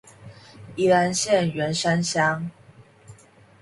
宜蘭縣員山鄉